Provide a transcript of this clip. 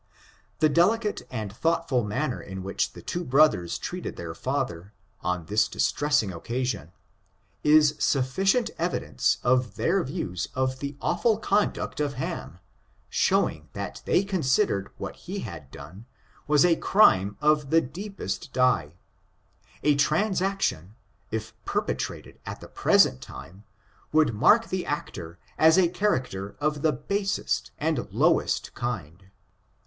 The delicate and thoughtful manner in which the two brothers treated their father, on this distressing occasion, is sufficient evidence of their views of the awful conduct of Ham, showing that they considered what he had done was a crime of the deepest dye; a transaction, if perpetrated at the present time, would mark the actor as a character of the basest and low est kind.